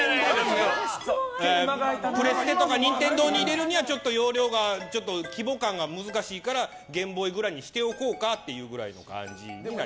プレステとか任天堂で出るにはちょっと容量が規模感が難しいからゲームボーイくらいにしておこうかくらいの感じで。